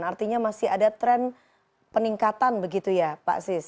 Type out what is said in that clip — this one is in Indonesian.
artinya masih ada tren peningkatan begitu ya pak sis